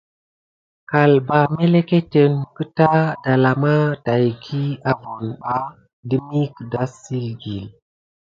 Kalbà meleketeni mqkuta dala ma taki avonba demi ke dansikiles.